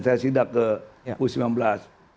saya sidak ke u sembilan belas